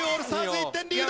１点リード！